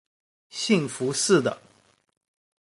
兴福寺的。